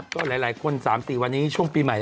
ก็หลายคน๓๔วันนี้ช่วงปีใหม่